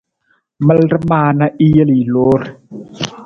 Malada maa na i jel i loor.